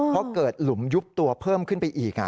เพราะเกิดหลุมยุบตัวเพิ่มขึ้นไปอีก